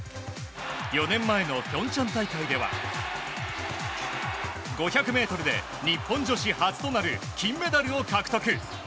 ４年前の平昌大会では５００ｍで日本女子初となる金メダルを獲得。